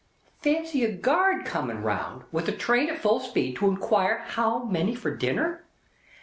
Fancy a guard coming round, with the train at full speed, to inquire how many for dinner.